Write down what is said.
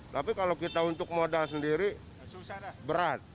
tapi kalau kita untuk modal sendiri berat